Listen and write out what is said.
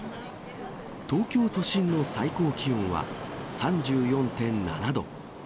東京都心の最高気温は３４．７度。